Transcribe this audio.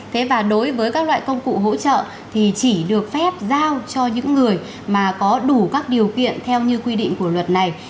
thế và đối với các loại công cụ hỗ trợ thì chỉ được phép giao cho những người mà có đủ các điều kiện theo như quy định của luật này